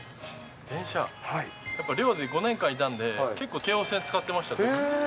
電車？寮のとき、５年間いたんで、結構、京王線使ってました。